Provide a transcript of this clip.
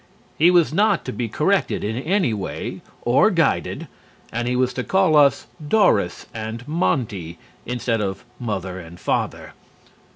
He was not to be corrected in any way, or guided, and he was to call us "Doris" and "Monty" instead of "Mother" and "Father."